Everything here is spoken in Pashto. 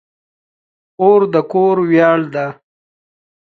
خور د کور ویاړ ده.